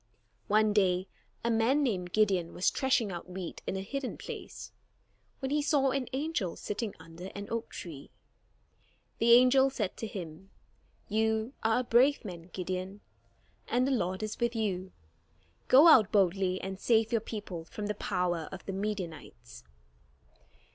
One day, a man named Gideon was threshing out wheat in a hidden place, when he saw an angel sitting under an oak tree. The angel said to him: "You are a brave man, Gideon, and the Lord is with you. Go out boldly, and save your people from the power of the Midianites."